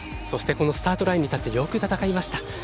そしてこのスタートラインに立ってよく戦いました。